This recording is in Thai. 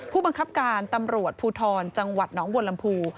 ผู้บังคับการตำรวจภูทรจังหวัดหนองบัวลำพู